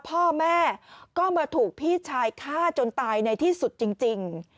พ่อแม่ก็มาถูกพี่ชายฆ่าจนตายในที่สุดจริง